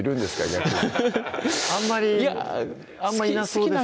逆にあんまりあんまいなそうですよ